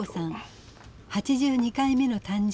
８２回目の誕生日。